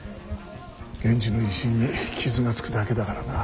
源氏の威信に傷がつくだけだからな。